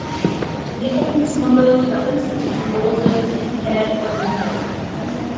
They often smuggled weapons into war zones and cared for the wounded.